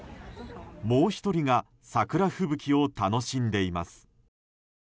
もう１人が桜吹雪を楽しんでいます。